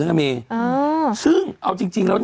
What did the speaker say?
เนึง่ะ